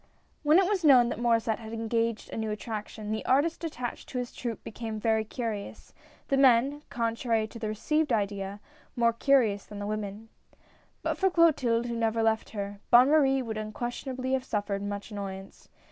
W HEN it was known that Maurdsset had engaged a new attraction, the artists attached to his troupe became very curious, the men — contrary to the received idea — more curious than the women. But for Clotilde who never left her, Bonne Marie would unquestionably have suffered much annoyance.